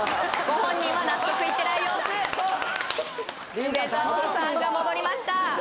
ご本人は納得いってない様子梅沢さんが戻りました